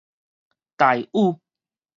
大禹